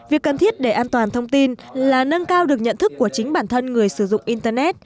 việc cần thiết để an toàn thông tin là nâng cao được nhận thức của chính bản thân người sử dụng internet